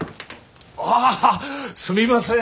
ああすみません。